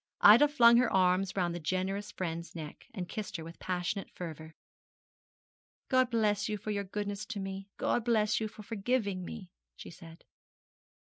Ida flung her arms round that generous friend's neck, and kissed her with passionate fervour. 'God bless you for your goodness to me! God bless you for forgiving me,' she said.